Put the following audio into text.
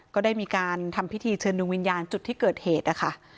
ก็ได้มีการทำพิธีเชิญดวงวิญญาณจุดที่เกิดเหตุนะคะ